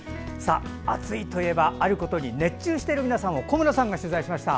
暑いといえばあることに熱中している皆さんを小村さんが取材しました。